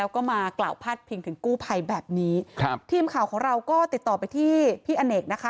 ก็ติดต่อไปที่พี่อเนกนะคะ